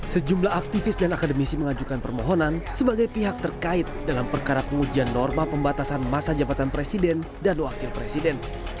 sejumlah aktivis dan akademisi mengajukan permohonan sebagai pihak terkait dalam perkara pengujian norma pembatasan masa jabatan presiden dan wakil presiden